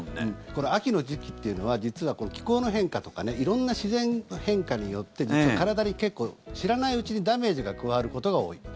この秋の時期というのは実は気候の変化とか色んな自然変化によって実は体に結構、知らないうちにダメージが加わることが多い。